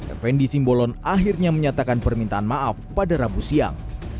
fnd simbolon akhirnya menyatakan permintaan maaf pada rabu siang